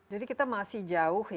jadi kita masih jauh ya